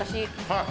はい。